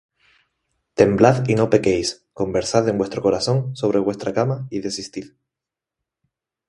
Temblad, y no pequéis: Conversad en vuestro corazón sobre vuestra cama, y desistid.